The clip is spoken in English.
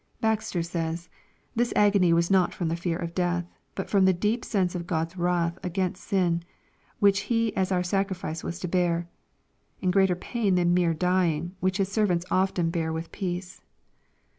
Baxter says, " This agony was not from the fear of death, but from the deep. sense of Q od's wrath against sin ; which He as our sacrificee was to bear ; in greater pain than mere dying, which His servants often bear with peace.'